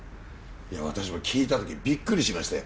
いや私も聞いた時びっくりしましたよ。